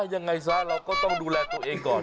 ยังไงซะเราก็ต้องดูแลตัวเองก่อน